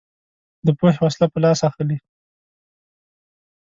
دی پوهې وسله په لاس اخلي